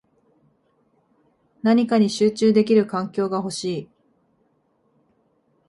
何かに集中できる環境が欲しい